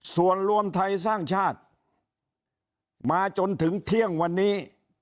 ส่วนรวมไทยสร้างชาติมาจนถึงเที่ยงวันนี้